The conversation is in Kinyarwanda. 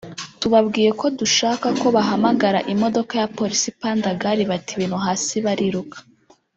tubabwiye ko dushaka ko bahamagara imodoka ya Polisi “Pandagari” bata ibintu hasi bariruka